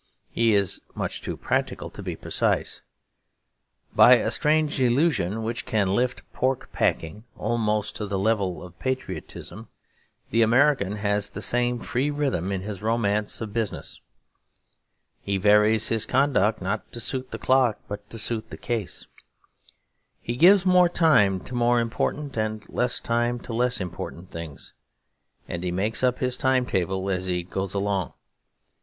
He is much too practical to be precise. By a strange illusion which can lift pork packing almost to the level of patriotism, the American has the same free rhythm in his romance of business. He varies his conduct not to suit the clock but to suit the case. He gives more time to more important and less time to less important things; and he makes up his time table as he goes along.